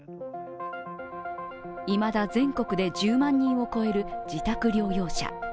いまだ全国で１０万人を超える自宅療養者。